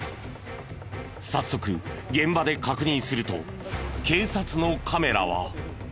早速現場で確認すると警察のカメラは。